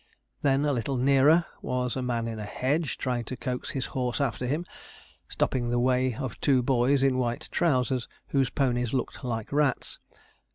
Then, a little nearer, was a man in a hedge, trying to coax his horse after him, stopping the way of two boys in white trousers, whose ponies looked like rats.